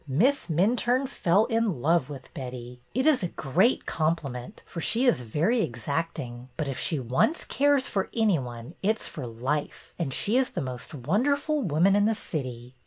Miss Minturne fell in love with Betty. It 284 BETTY BAIRD'S VENTURES is a great compliment, for she is very exacting. But if she once cares for any one it 's for life, and she is the most wonderful woman m the city.